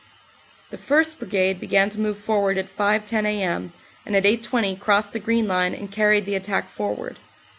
The 1st. Brigade began to move forward at 5.10 a.m., and at 8.20 crossed the Green Line and carried the attack forward.